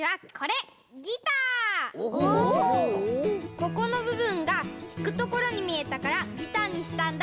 ここのぶぶんがひくところにみえたからギターにしたんだ。